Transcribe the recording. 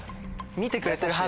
見てくれてるはず。